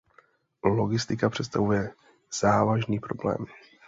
Logistika představuje závažný problém.